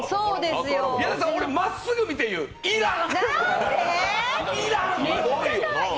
矢田さん、俺まっすぐ見て言う、いらん！！